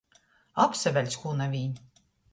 Apsaveļc kū naviņ!